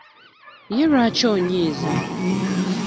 Ye lwaki onyiize?